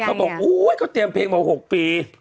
บอกอุ๊ยเขาเตรียมเพลงมา๖ปี